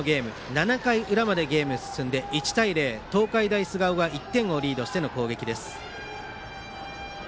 ７回の裏までゲームが進んで１対０と東海大菅生が１点をリードしての攻撃です。